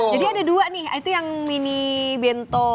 jadi ada dua nih itu yang mini bento